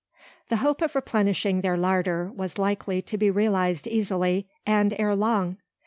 The hope of replenishing their larder was likely to be realised easily, and ere long.